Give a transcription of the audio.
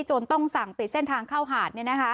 ต้องสั่งปิดเส้นทางเข้าหาด